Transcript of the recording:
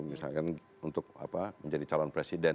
misalkan untuk menjadi calon presiden